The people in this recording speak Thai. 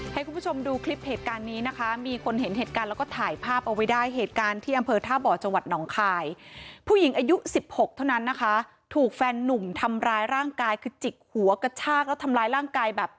ให้คุณผู้ชมดูคลิปเหตุการณ์นี้นะคะมีคนเห็นเหตุการณ์แล้วก็ถ่ายภาพเอาไว้ได้เหตุการณ์ที่อำเภอท่าบ่อจังหวัดหนองคายผู้หญิงอายุสิบหกเท่านั้นนะคะถูกแฟนหนุ่มทำร้ายร่างกายคือจิกหัวกระชากแล้วทำร้ายร่างกายแบบ